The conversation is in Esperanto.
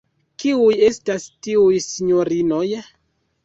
Kiuj estas tiuj sinjorinoj?